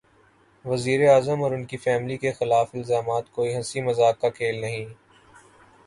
وزیر اعظم اور ان کی فیملی کے خلاف الزامات کوئی ہنسی مذاق کا کھیل نہیں۔